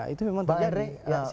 itu memang terjadi